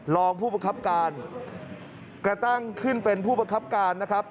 รองผู้ประคับการกระตั้งขึ้นเป็นผู้ประคับการนะครับ